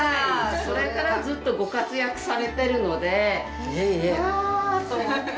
それからずっとご活躍されているのではあと思って。